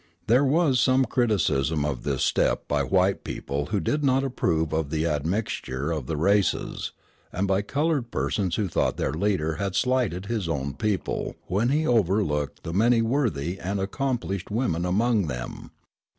There was some criticism of this step by white people who did not approve of the admixture of the races, and by colored persons who thought their leader had slighted his own people when he overlooked the many worthy and accomplished women among them.